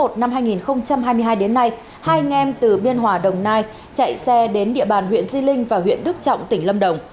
từ ngày một mươi tháng một năm hai nghìn hai mươi hai đến nay hai anh em từ biên hòa đồng nai chạy xe đến địa bàn huyện di linh và huyện đức trọng tỉnh lâm đồng